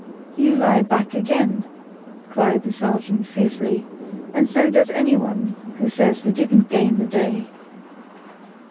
"You lie back again," cried the sergeant, fiercely; "and so does anyone who says that we didn't gain the day."